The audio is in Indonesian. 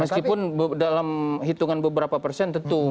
meskipun dalam hitungan beberapa persen tentu